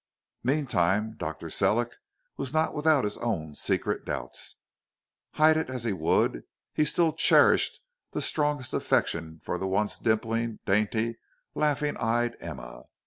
Meantime, Dr. Sellick was not without his own secret doubts. Hide it as he would, he still cherished the strongest affection for the once dimpling, dainty, laughing eyed Emma.